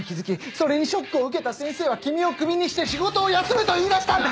それにショックを受けた先生は君をクビにして仕事を休むと言いだしたんだ！